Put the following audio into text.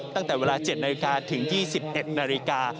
ตั้งแต่เวลา๗นาฬิกาถึง๒๑นาฬิกา